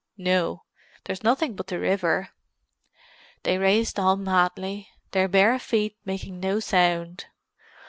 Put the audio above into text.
"No. There's nothing but the river." They raced on madly, their bare feet making no sound.